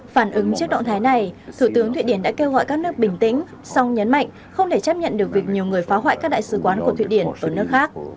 phản ứng trước động thái này thủ tướng thụy điển đã kêu gọi các nước bình tĩnh song nhấn mạnh không thể chấp nhận được việc nhiều người phá hoại các đại sứ quán của thụy điển ở nước khác